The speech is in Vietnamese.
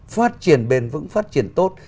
phát triển bền vững phát triển tốt